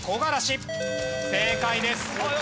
正解です。